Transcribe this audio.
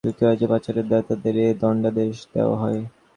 পাকিস্তান থেকে হেরোইন এনে যুক্তরাজ্যে পাচারের দায়ে তাঁদের এ দণ্ডাদেশ দেওয়া হয়।